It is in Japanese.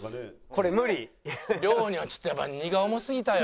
亮にはちょっとやっぱ荷が重すぎたよ。